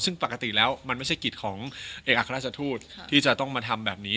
ซึ่งปกติแล้วมันไม่ใช่กิจของเอกอัครราชทูตที่จะต้องมาทำแบบนี้